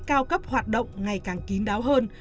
cao cấp hoạt động ngày càng kín đáo hơn